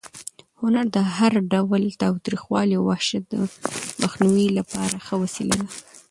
هنر د هر ډول تاوتریخوالي او وحشت د مخنیوي لپاره ښه وسله ده.